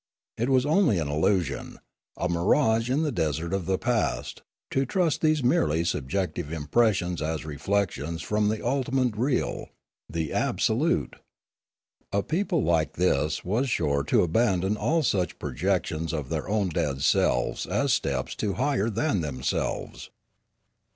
It was only an illusion, a mirage in the desert of the past, to trust these merely subjective impressions as reflections from the ultimately real, the absolute. A people like this was sure to abandon all such projections of their own dead selves as steps to higher than themselves.